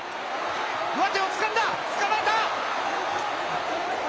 上手をつかんだ、つかまえた！